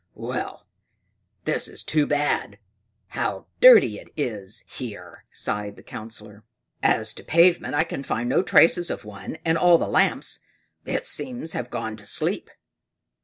"Well! This is too bad! How dirty it is here!" sighed the Councillor. "As to a pavement, I can find no traces of one, and all the lamps, it seems, have gone to sleep."